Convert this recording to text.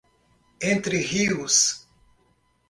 Entre Rios